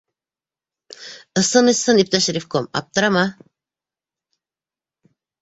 — Ысын-ысын, иптәш ревком, аптырама.